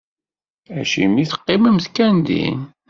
Acimi i teqqimemt kan din?